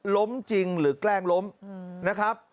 ล้มจริงหรือแกล้งล้มนะครับ